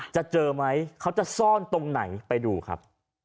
จะเจอไหมเขาจะซ่อนตรงไหนไปดูครับ